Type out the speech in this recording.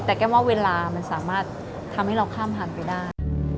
แต่แก้มว่าเวลามันสามารถทำให้เราข้ามผ่านไปได้